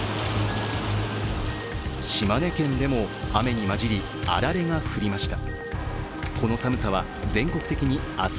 島根県でも雨に交じりあられが降りました。